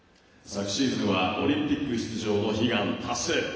昨シーズンはオリンピック出場の悲願達成。